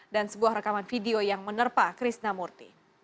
dan sebuah rekaman video yang menerpa krisnamurti